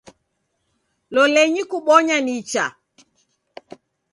Lolenyi kubonya nicha